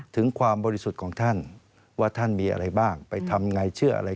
ถึงความบริสุทธิ์ของท่านว่าท่านมีอะไรบ้างไปทำไงเชื่ออะไร